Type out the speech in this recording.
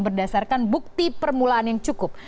berdasarkan bukti permulaan yang cukup